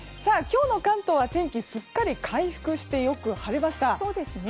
今日の関東は天気すっかり回復してよく晴れました。